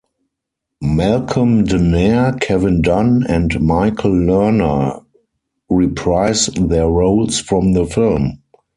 Malcolm Danare, Kevin Dunn and Michael Lerner reprise their roles from the film.